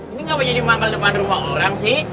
ini ngapa jadi manggal di depan rumah orang sih